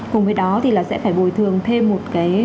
cùng với đó thì là sẽ phải bồi thường thêm một cái